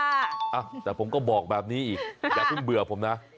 อ่ะแต่ผมก็บอกแบบนี้อีกอย่าเพิ่งเบื่อผมนะ